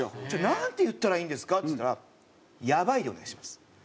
「じゃあなんて言ったらいいんですか？」って言ったら「“やばい”でお願いします」。